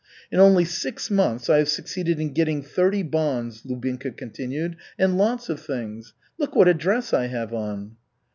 "In only six months I have succeeded in getting thirty bonds," Lubinka continued, "and lots of things. Look what a dress I have on!"